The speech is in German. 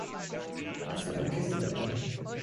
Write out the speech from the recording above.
Hast du eine Kiste dabei?